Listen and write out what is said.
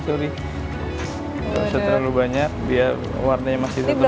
bisa terlalu banyak biar warnanya masih berbentuk